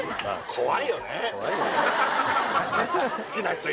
怖いよね。